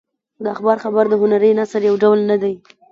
د اخبار خبر د هنري نثر یو ډول نه دی.